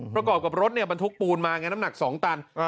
ประกอบกับรถบรรทุกปูนมาไงน้ำหนัก๒ตัน